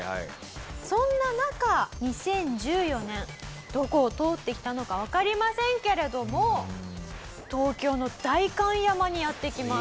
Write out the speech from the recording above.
そんな中２０１４年どこを通ってきたのかわかりませんけれども東京の代官山にやって来ます。